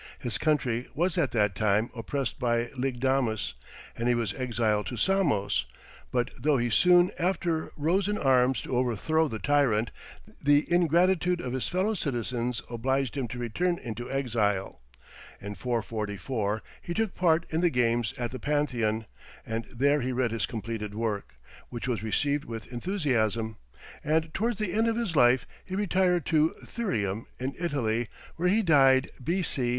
His country was at that time oppressed by Lygdamis, and he was exiled to Samos; but though he soon after rose in arms to overthrow the tyrant, the ingratitude of his fellow citizens obliged him to return into exile. In 444 he took part in the games at the Pantheon, and there he read his completed work, which was received with enthusiasm, and towards the end of his life he retired to Thurium in Italy, where he died, B.C.